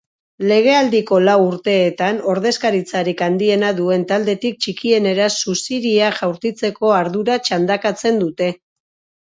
Legealdiko lau urteetan ordezkaritzarik handiena duen taldetik txikienera suziria jaurtitzeko ardura txandakatzen dute.